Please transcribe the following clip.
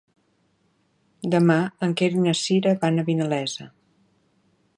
Demà en Quer i na Sira van a Vinalesa.